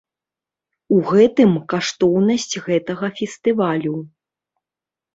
У гэтым каштоўнасць гэтага фестывалю.